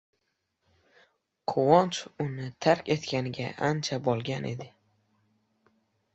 Quvonch uni tark etganiga ancha bo‘lgan edi.